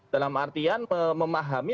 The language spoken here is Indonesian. dalam artian memahami